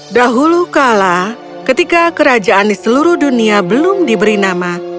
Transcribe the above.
dahulu kala ketika kerajaan di seluruh dunia belum diberi nama